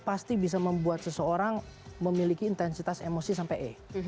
jadi itu memang membuat seseorang memiliki intensitas emosi sampai e